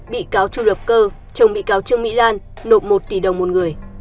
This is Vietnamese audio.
bị cáo chu lập cơ chồng bị cáo trương mỹ lan nộp một tỷ đồng một người